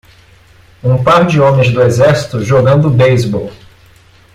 Um par de homens do exército jogando beisebol.